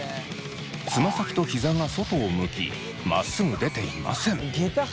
つま先とひざが外を向きまっすぐ出ていません。